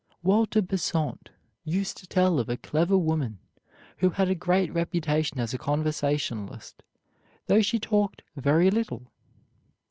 Walter Besant used to tell of a clever woman who had a great reputation as a conversationalist, though she talked very little.